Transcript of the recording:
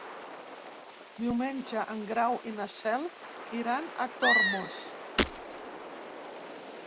Diumenge en Grau i na Cel iran a Tormos.